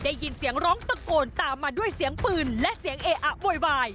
ได้ยินเสียงร้องตะโกนตามมาด้วยเสียงปืนและเสียงเออะโวยวาย